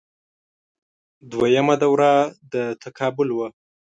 دویمه دوره د تقابل وه